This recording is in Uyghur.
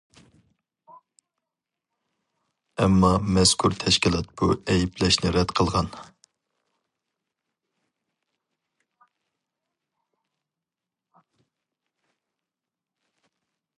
ئەمما مەزكۇر تەشكىلات بۇ ئەيىبلەشنى رەت قىلغان.